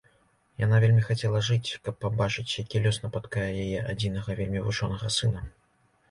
Яна вельмі хацела жыць, каб пабачыць, які лёс напаткае яе адзінага вельмі вучонага сына.